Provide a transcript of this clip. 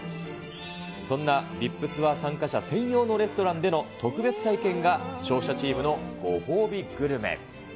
そんな、ＶＩＰツアー参加者、専用のレストランでの特別体験が勝者チームのご褒美グルメ。